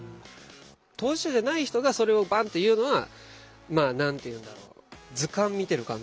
当事者じゃない人がそれをバンって言うのはまあ何て言うんだろう